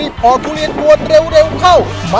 ลิฟท์ปันธุรียนด่วนเร็วเข้า